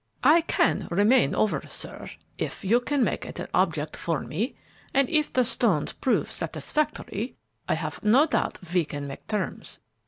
"I can remain over, sir, if you can make it an object for me, and if the stones prove satisfactory I have no doubt we can make terms.